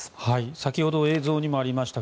先ほど映像にもありました